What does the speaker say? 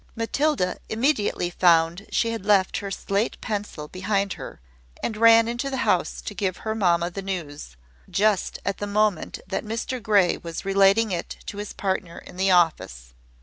Matilda immediately found she had left her slate pencil behind her, and ran into the house to give her mamma the news, just at the moment that Mr Grey was relating it to his partner in the office.